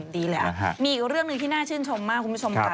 ดีเลยมีอีกเรื่องหนึ่งที่น่าชื่นชมมากคุณผู้ชมค่ะ